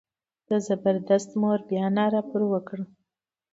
د زبردست مور بیا ناره پر وکړه.